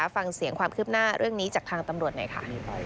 ฟังเสียงความคืบหน้าเรื่องนี้จากทางตำรวจหน่อยค่ะ